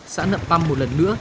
xã nậm băm một lần nữa